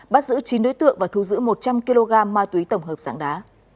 bắt giữ chín đối tượng và thu giữ một trăm linh kg ma túy tổng hợp sáng đá